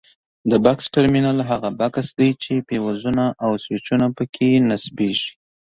د بکس ټرمینل هغه بکس دی چې فیوزونه او سویچونه پکې نصبیږي.